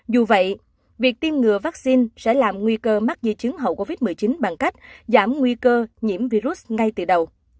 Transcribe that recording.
dù vậy việc tiêm ngừa vaccine sẽ làm nguy cơ mắc di chứng hậu covid một mươi chín bằng cách giảm nguy cơ nhiễm virus ngay từ đầu